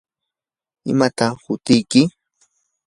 ¿imataq hutiyki?